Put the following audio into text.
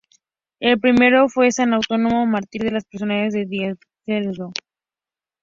El primero fue San Autónomo, mártir de las persecuciones de Diocleciano.